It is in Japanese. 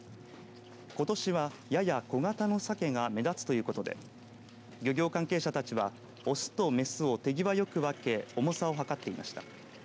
ことしは、やや小型のさけが目立つということで漁業関係者たちは雄と雌を手際よく分け重さを量っていました。